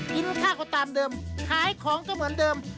กินข้าวก็ตามเดิมขายของก็เหมือนเดิม